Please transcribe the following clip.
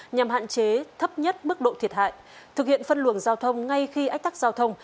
nhằm hạn chế thấp nhất mức độ thiệt hại thực hiện phân luồng giao thông ngay khi ách tắc giao thông